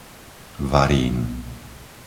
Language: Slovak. Varín